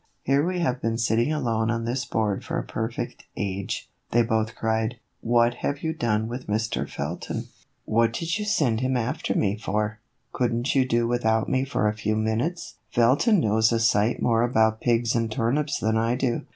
" Here we have been sitting alone on this board for a perfect age," they both cried. " What have you done with Mr. Felton ?" 138 THE EVOLUTION OF A BONNET. " What did you send him after me for ? Could n't you do without me for a few minutes? Felton knows a sight more about pigs and turnips than I do.